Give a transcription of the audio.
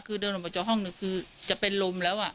คือเดินออกมาจากห้องหนึ่งคือจะเป็นลมแล้ว